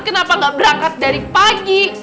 kenapa gak berangkat dari pagi